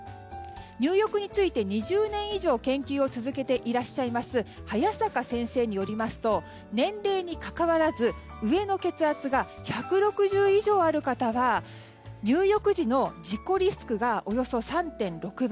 入浴について２０年以上研究を続けていらっしゃいます早坂先生によりますと年齢に関わらず上の血圧が１６０以上ある方は入浴時の事故リスクがおよそ３．６倍。